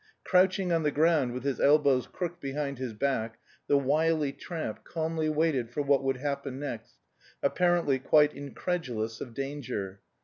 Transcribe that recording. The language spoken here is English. Crouching on the ground with his elbows crooked behind his back, the wily tramp calmly waited for what would happen next, apparently quite incredulous of danger.